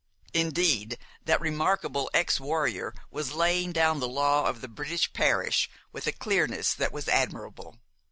Indeed, that remarkable ex warrior was laying down the law of the British parish with a clearness that was admirable.